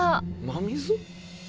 真水？